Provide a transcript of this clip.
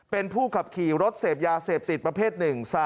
เป็นผู้ขับขี่รถเสพยาเสพติดประเภท๑๓